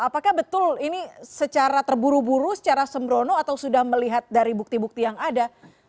apakah betul ini secara terburu buru secara sembrono atau sudah melihat dari bukti bukti yang ada